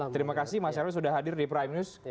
terima kasih mas nyarwi sudah hadir di prime news